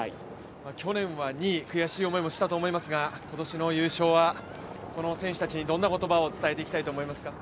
去年は２位悔しい思いもしたかもしれませんが今年の優勝は選手たちにどんな言葉を伝えたいと思いますか？